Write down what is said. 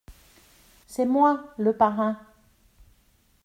c'est moi … le parrain !